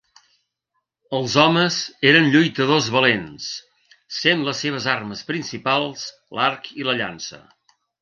Els homes eren lluitadors valents, sent les seves armes principals l'arc i llança.